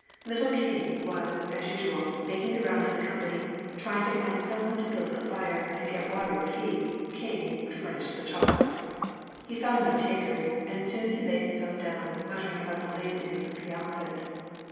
Little King was, as usual, making the round of the company, trying to find some one to build a fire and get water if he, King, would furnish the chocolate. He found no takers and soon he laid himself down, muttering about the laziness of the outfit.